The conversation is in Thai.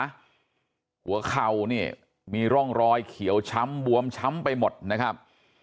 หัวเข่าเนี่ยมีร่องรอยเขียวช้ำบวมช้ำไปหมดนะครับ